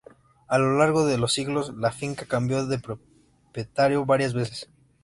A lo largo de los siglos, la finca cambió de propietario varias veces.